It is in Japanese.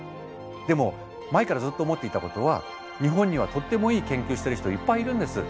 でも前からずっと思っていたことは日本にはとってもいい研究してる人いっぱいいるんです。